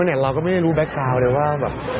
จริงเราไม่ได้รู้แบ็คกราวเลยว่า